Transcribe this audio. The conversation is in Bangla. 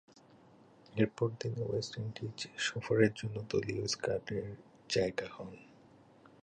এরপর তিনি ওয়েস্ট ইন্ডিজ সফরের জন্য দলীয় স্কোয়াডের জায়গা হন।